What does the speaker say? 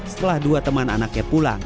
setelah dua teman anaknya pulang